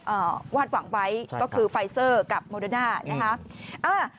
วาดหวังไว้ก็คือไฟเซอร์กับโมเดอร์น่านะคะอ่า